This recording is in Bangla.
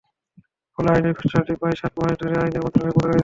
ফলে আইনের খসড়াটি প্রায় সাত মাস ধরে আইন মন্ত্রণালয়েই পড়ে রয়েছে।